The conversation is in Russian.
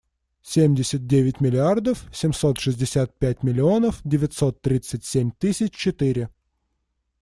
Семьдесят девять миллиардов семьсот шестьдесят пять миллионов девятьсот тридцать семь тысяч четыре.